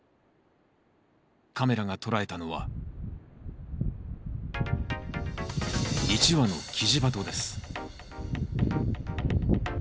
カメラが捉えたのは一羽のキジバトです